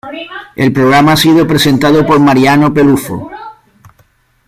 El programa ha sido presentado por Mariano Peluffo.